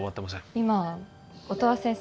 今音羽先生